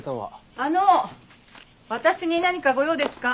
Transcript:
あの私に何かご用ですか？